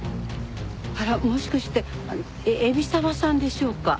あらもしかして海老沢さんでしょうか？